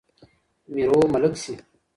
میرو ملک سي